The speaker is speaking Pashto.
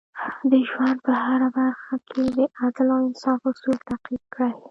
د ژوند په هره برخه کې د عدل او انصاف اصول تعقیب کړئ.